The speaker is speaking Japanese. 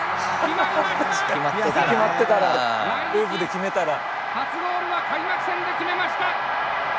来日初ゴールは開幕戦で決めました！